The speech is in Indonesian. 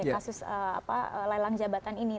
kasus lelang jabatan ini